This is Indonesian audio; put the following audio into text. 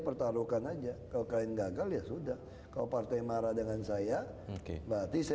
pertaruhkan aja kalau kalian gagal ya sudah kalau partai marah dengan saya oke berarti saya